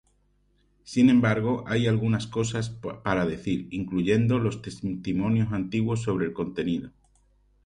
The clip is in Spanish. Sin embargo hay algunas cosas para decir, incluyendo los testimonios antiguos, sobre el contenido.